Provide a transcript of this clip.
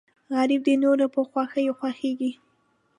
غریب د نورو په خوښیو خوښېږي